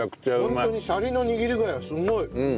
ホントにシャリの握り具合がすごい。